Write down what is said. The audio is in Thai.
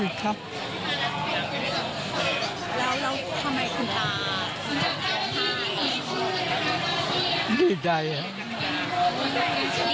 ดีใจที่เราได้มาใช้สิทธิ์